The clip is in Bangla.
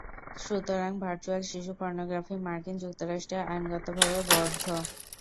সুতরাং, ভার্চুয়াল শিশু পর্নোগ্রাফি মার্কিন যুক্তরাষ্ট্রে আইনগতভাবে বৈধ।